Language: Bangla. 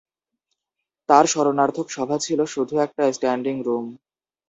তার স্মরণার্থক সভা ছিল শুধু একটা স্ট্যান্ডিং রুম।